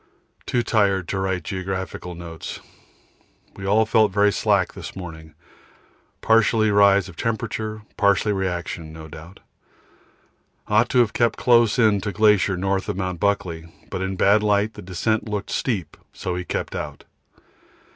Too tired to write geological notes. We all felt very slack this morning, partly rise of temperature, partly reaction, no doubt. Ought to have kept close in to glacier north of Mt. Buckley, but in bad light the descent looked steep and we kept out.